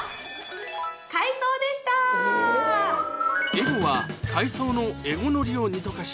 えごは海藻のエゴノリを煮溶かし